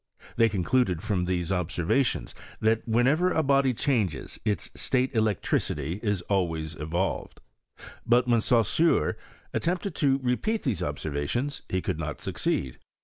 They concluded from these observations, that whenever a body changes its state electricity i> always evolved. But when Saussure attempted tt> repeat these observations, he could not succeed.